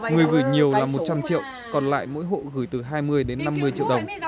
người gửi nhiều là một trăm linh triệu còn lại mỗi hộ gửi từ hai mươi đến năm mươi triệu đồng